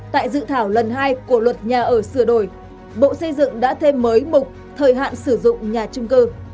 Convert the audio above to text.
tại dự thảo lần hai của luật nhà ở sửa đổi bộ xây dựng đã thêm mới mục thời hạn sử dụng nhà trung cư